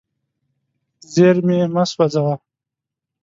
زیرمې مه سوځوه.